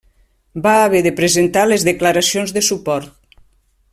Va haver de presentar les declaracions de suport.